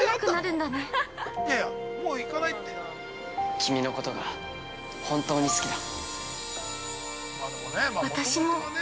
◆君のことが本当に好きだ。